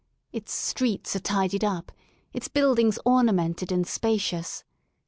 Its streets are tidied up, its buildings ornamented and spacious.